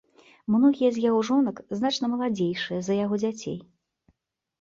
Многія з яго жонак значна маладзейшыя за яго дзяцей.